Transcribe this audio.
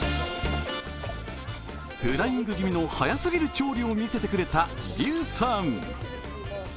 フライング気味の速すぎる調理を見せてくれた劉さん。